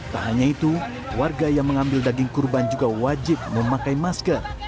tak hanya itu warga yang mengambil daging kurban juga wajib memakai masker